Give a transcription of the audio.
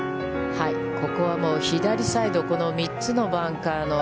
ここは、もう左サイド、３つのバンカーの